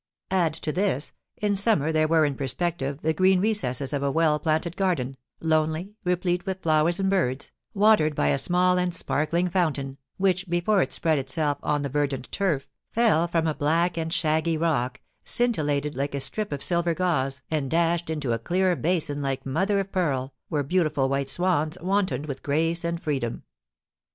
Add to this, in summer there were in perspective the green recesses of a well planted garden, lonely, replete with flowers and birds, watered by a small and sparkling fountain, which, before it spread itself on the verdant turf, fell from a black and shaggy rock, scintillated like a strip of silver gauze, and dashed into a clear basin like mother of pearl, where beautiful white swans wantoned with grace and freedom.